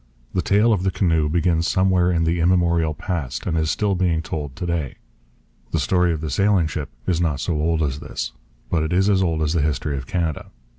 The tale of the canoe begins somewhere in the immemorial past and is still being told to day. The story of the sailing ship is not so old as this. But it is as old as the history of Canada.